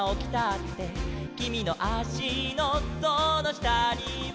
「きみのあしのそのしたには」